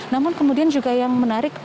namun kemudian juga yang menarik